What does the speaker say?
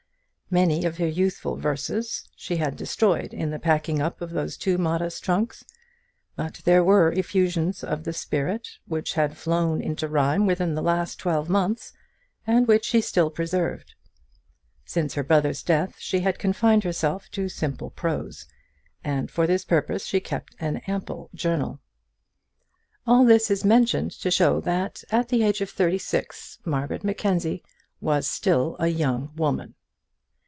Many of her youthful verses she had destroyed in the packing up of those two modest trunks; but there were effusions of the spirit which had flown into rhyme within the last twelve months, and which she still preserved. Since her brother's death she had confined herself to simple prose, and for this purpose she kept an ample journal. All this is mentioned to show that at the age of thirty six Margaret Mackenzie was still a young woman.